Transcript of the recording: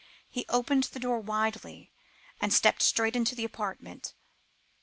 He opened the door widely, and stepped straight into the apartment.